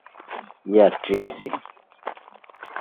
ইয়া, ট্রিক্সি!